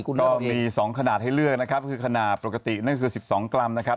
ก็มี๒ขนาดให้เลือกนะครับคือขนาดปกตินั่นคือ๑๒กรัมนะครับ